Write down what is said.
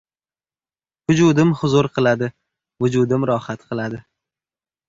Vujudim huzur qiladi, vujudim rohat qiladi!